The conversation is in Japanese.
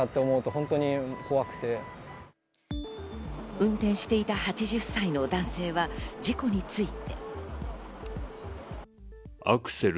運転していた８０歳の男性は事故について。